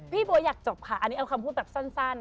บัวอยากจบค่ะอันนี้เอาคำพูดแบบสั้น